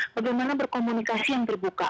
bagaimana berkomunikasi yang terbuka